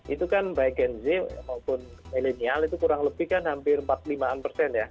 itu kan baik gen z maupun milenial itu kurang lebih kan hampir empat puluh lima an persen ya